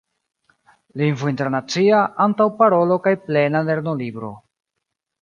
Lingvo Internacia, Antaŭparolo kaj Plena Lernolibro.